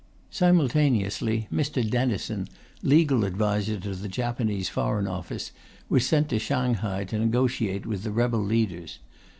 Simultaneously, Mr. Denison, Legal Adviser to the Japanese Foreign Office, was sent to Shanghai to negotiate with the rebel leaders.